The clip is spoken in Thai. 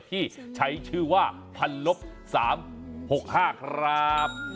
ที่ใช้ชื่อว่าพันลบสามหกห้าครับ